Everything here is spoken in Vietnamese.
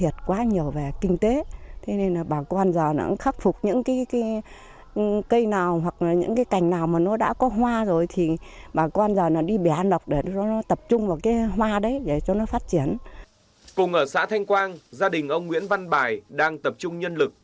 cùng ở xã thanh quang gia đình ông nguyễn văn bài đang tập trung nhân lực